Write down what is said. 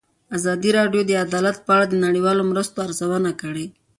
ازادي راډیو د عدالت په اړه د نړیوالو مرستو ارزونه کړې.